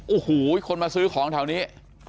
โอ้โหคนมาซื้อของแถวนี้